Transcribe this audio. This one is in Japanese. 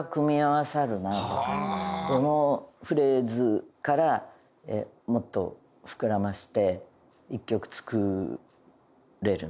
このフレーズからもっと膨らませて１曲作れるなとか。